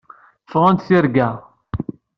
Ffɣent tirga.